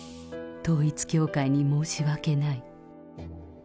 統一教会に申し訳ない。